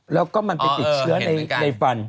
แล้วก็มันไปติดเชื้อในฟัน